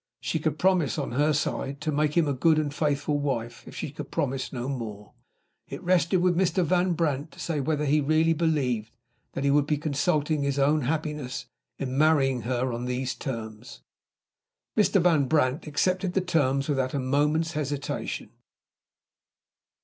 She could promise, on her side, to make him a good and faithful wife, if she could promise no more. It rested with Mr. Van Brandt to say whether he really believed that he would be consulting his own happiness in marrying her on these terms. Mr. Van Brandt accepted the terms without a moment's hesitation.